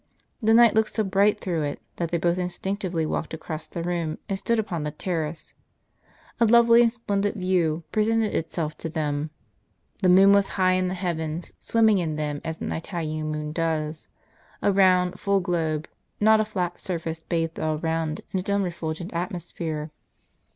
The night looked so bright through ^ it, that they both instinctively walked across the room, and stood upon the terrace. A lovely and splendid view presented itself to them. The moon was high in the heavens, swim ming in them, as an Italian moon does ; a round, full globe, not a flat surface, bathed all round in its own refulgent atmos phere.